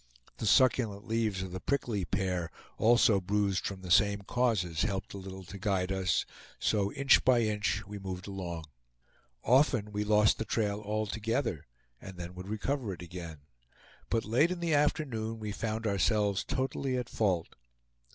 The succulent leaves of the prickly pear, also bruised from the same causes, helped a little to guide us; so inch by inch we moved along. Often we lost the trail altogether, and then would recover it again, but late in the afternoon we found ourselves totally at fault.